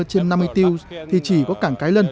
trên năm mươi tiêu thì chỉ có cảng cái lân